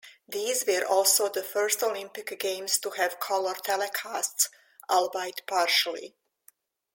These were also the first Olympic Games to have color telecasts, albeit partially.